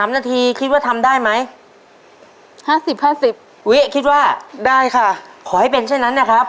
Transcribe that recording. นี่ฝั่งมันบ้าง